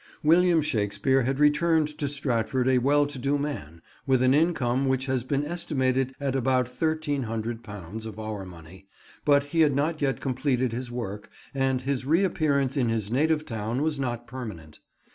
William Shakespeare had returned to Stratford a well to do man, with an income which has been estimated at about £1300 of our money, but he had not yet completed his work, and his reappearance in his native town was not permanent.